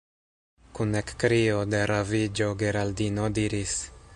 Kun ekkrio de raviĝo Geraldino diris: